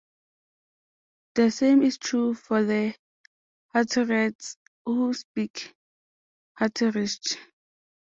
The same is true for the Hutterites, who speak Hutterisch.